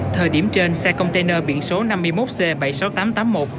thời điểm trên xe container biển số năm mươi một c bảy mươi sáu nghìn tám trăm tám mươi một